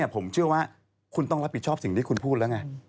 ผมเชื่อว่าคุณต้องรับผิดชอบสิ่งที่คุณพูดแล้วไง